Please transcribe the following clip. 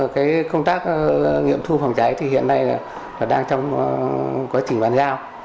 công tác nghiệm thu phòng cháy hiện nay đang trong quá trình bàn giao